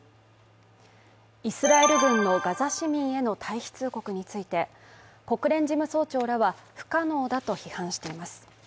イスラエル軍のガザ市民への退避通告について、国連事務総長らは、不可能だと批判しています。